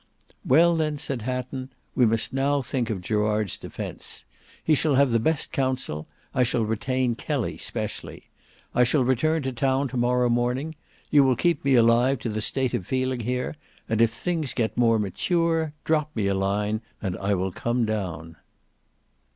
"Well then," said Hatton, "we must now think of Gerard's defence. He shall have the best counsel. I shall retain Kelly specially. I shall return to town to morrow morning. You will keep me alive to the state of feeling here, and if things get more mature drop me a line and I will come down."